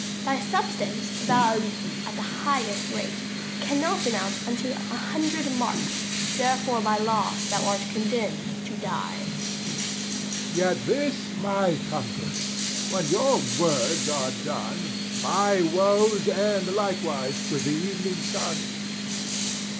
Thy substance, valued at the highest rate, Cannot amount unto a hundred marks; 25 Therefore by law thou art condemn'd to die. Æge. Yet this my comfort: when your words are done, My woes end likewise with the evening sun.